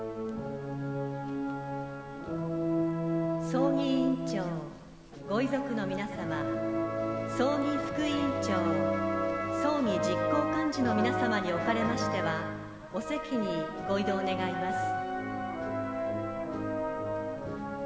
葬儀委員長、ご遺族の皆様葬儀副委員長、葬儀実行幹事の皆様におかれましてはお席にご移動願います。